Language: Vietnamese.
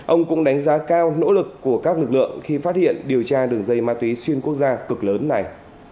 ông cũng đánh giá cao nỗ lực của các lực lượng khi phát hiện điều tra đường dây ma túy xuyên quốc gia cực lớn này